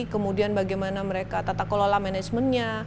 kemudian bagaimana mereka tata kelola manajemennya